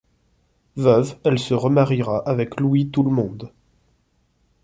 Veuve, elle se remariera avec Louis Toulemonde.